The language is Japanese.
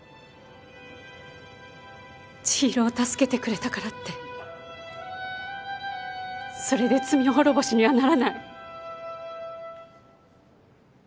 ちひろを助けてくれたからってそれで罪滅ぼしにはならない。